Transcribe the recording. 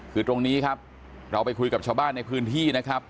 คือตรงนี้ครับเราไปคุยกับชาวบ้านในพื้นที่นะครับ